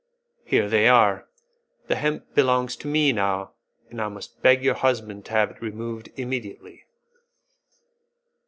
"Here they are; the hemp belongs to me now, and I must beg your husband to have it removed immediately."